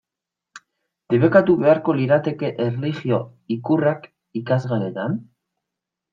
Debekatu beharko lirateke erlijio ikurrak ikasgeletan?